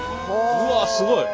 うわすごい。